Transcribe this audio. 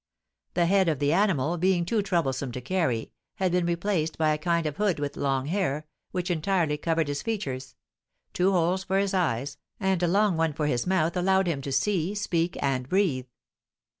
The head of the animal, being too troublesome to carry, had been replaced by a kind of hood with long hair, which entirely covered his features; two holes for his eyes, and a long one for his mouth, allowed him to see, speak, and breathe.